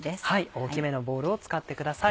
大きめのボウルを使ってください。